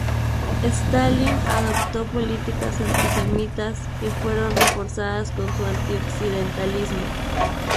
Stalin adoptó políticas antisemitas que fueron reforzadas con su anti-occidentalismo.